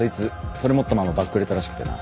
それ持ったままバックレたらしくてな。